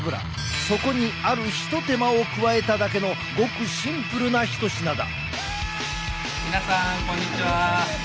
そこにあるひと手間を加えただけのごくシンプルな一品だ。